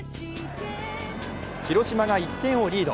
広島が１点をリード。